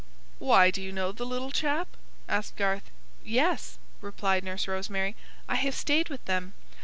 "Why, do you know the little chap?" asked Garth. "Yes," replied Nurse Rosemary; "I have stayed with them.